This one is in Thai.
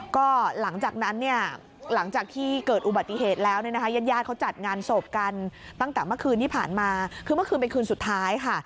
ก็หลังจากนั้นเนี่ยหลังจากที่เกิดอุบัติเหตุแล้วเนี่ยนะคะญาติญาติเขาจัดงานศพกันตั้งแต่เมื่อคืนที่ผ่านมาคือเมื่อคืนเป็นคืนสุดท้ายค่ะ